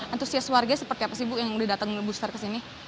antusias warga seperti apa sih bu yang udah datang booster ke sini